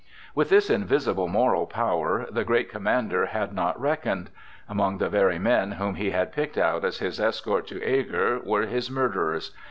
With this invisible moral power the great commander had not reckoned. Among the very men whom he had picked out as his escort to Eger were his murderers.